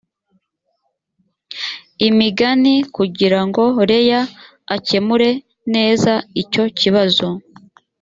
imigani kugira ngo leah akemure neza icyo kibazo